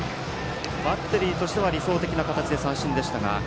バッテリーとしては理想的な形で三振でしたが。